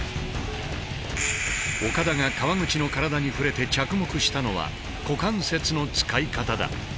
岡田が川口の体に触れて着目したのは股関節の使い方だ。